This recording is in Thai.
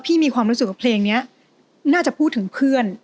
มีความรู้สึกว่าเพลงนี้น่าจะพูดถึงเพื่อน